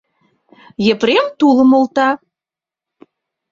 Епрем тулым олта